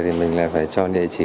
thì mình lại phải cho địa chỉ